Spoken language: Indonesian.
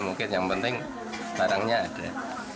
mungkin yang penting barangnya ada